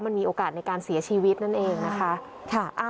มันมีโอกาสในการเสียชีวิตนั่นเองนะคะ